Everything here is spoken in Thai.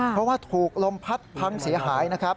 เพราะว่าถูกลมพัดพังเสียหายนะครับ